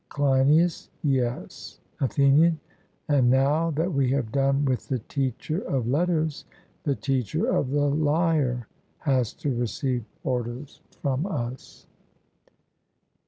CLEINIAS: Yes. ATHENIAN: And now that we have done with the teacher of letters, the teacher of the lyre has to receive orders from us.